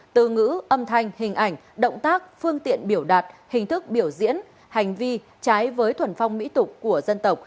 từ ngữ âm thanh hình ảnh động tác phương tiện biểu đạt hình thức biểu diễn hành vi trái với thuần phong mỹ tục của dân tộc